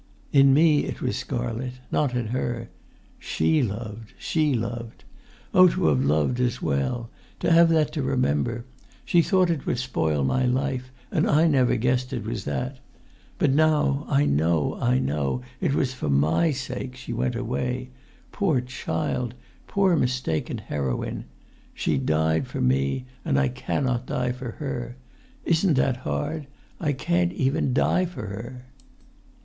"In me it was scarlet: not in her. She loved ... she loved. Oh, to have loved as well—to have that to remember! ... She thought it would spoil my life; and I never guessed it was that! But now I know, I know! It was for my sake she went away ... poor child ... poor mistaken heroine! She died for me, and I cannot die for her. Isn't that hard? I can't even die for her!"